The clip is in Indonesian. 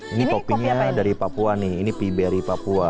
ini kopinya dari papua nih ini p berry papua